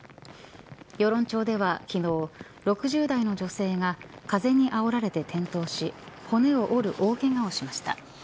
与論町では昨日、６０代の女性が風にあおられて転倒し骨を折る大けがをしました。